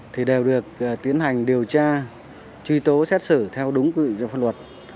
thì đều được tiến hành điều tra truy tố xét xử theo đúng quy định của pháp luật